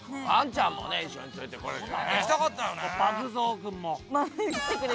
ワンちゃんもね